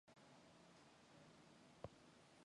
Өөрөөс минь үүдэлтэй байдаг юм